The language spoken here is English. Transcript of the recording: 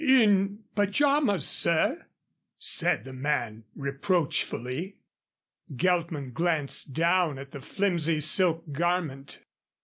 "In pajamas, sir?" said the man, reproachfully. Geltman glanced down at the flimsy silk garment.